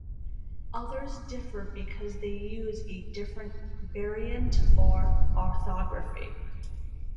Others differ because they use a different variant or orthography.